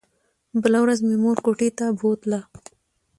بله ورځ مې مور کوټې ته بوتله.